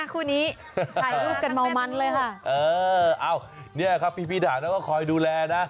ปีนปล่ายกันขึ้นไปนี่เม้ามันมากเลย